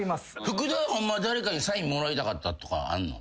福田はホンマは誰かにサインもらいたかったとかあんの？